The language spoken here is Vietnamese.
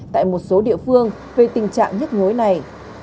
tại một số địa phương về tình trạng nhức nhối này